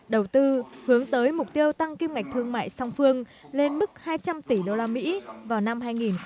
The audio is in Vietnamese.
đầu tư hướng tới mục tiêu tăng kim ngạch thương mại song phương lên mức hai trăm linh tỷ usd vào năm hai nghìn hai mươi